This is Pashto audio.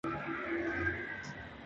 ذهن موږ د خطرونو پر وړاندې خبرداری ورکوي.